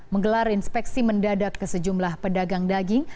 menggelar inspeksi mendadak ke sejumlah pedagang daging